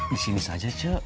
di sini saja cek